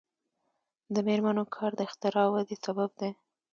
د میرمنو کار د اختراع ودې سبب دی.